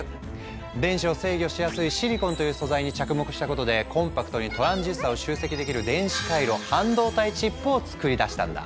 電子を制御しやすいシリコンという素材に着目したことでコンパクトにトランジスタを集積できる電子回路半導体チップを作り出したんだ。